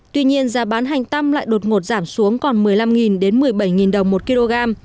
tuy nhiên giá bán hành tâm lại đột ngột giảm xuống còn một mươi năm một mươi bảy đồng một kg